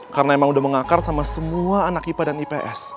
karena emang udah mengakar sama semua anak ipa dan ips